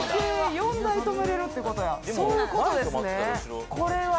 ４台停めれるってことや。